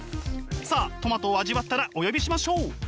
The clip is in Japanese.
さあトマトを味わったらお呼びしましょう。